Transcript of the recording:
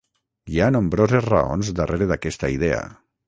Hi ha nombroses raons darrere d'aquesta idea.